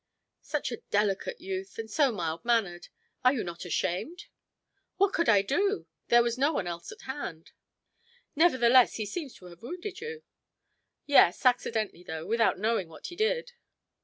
"Such a delicate youth, and so mild mannered! Are you not ashamed?" "What could I do? There was no one else at hand." "Nevertheless he seems to have wounded you?" "Yes, accidentally though, without knowing what he did."